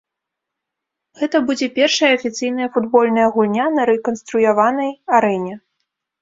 Гэта будзе першая афіцыйная футбольная гульня на рэканструяванай арэне.